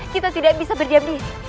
kita tidak bisa berdiam diri